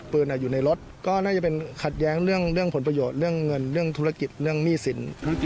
อยู่ในรถก็น่าจะเป็นขัดแย้งเรื่องผลประโยชน์เรื่องเงินเรื่องธุรกิจเรื่องหนี้สิน